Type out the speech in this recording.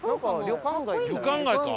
旅館街か？